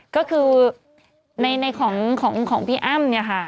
ก็คือในของพี่อ้ำเนี่ยค่ะ